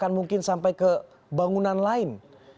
bahkan mungkin sampai ke bangunan lain